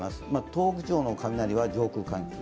東北地方の雷は上空の寒気。